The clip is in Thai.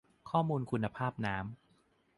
ข้อมูลคุณภาพน้ำ